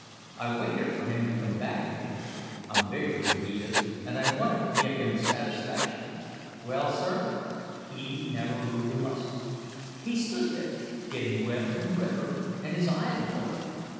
I waited for him to come back at me. I'm bigger than he is, and I wanted to give him satisfaction. Well, sir, he never moved a muscle! He stood there getting redder and redder, and his eyes watered.